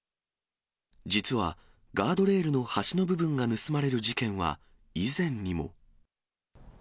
実はガードレールの端の部分が盗まれる事件は以前にも。